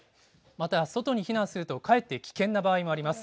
また外に避難するとかえって危険な場合もあります。